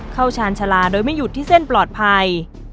ชาญชาลาโดยไม่หยุดที่เส้นปลอดภัย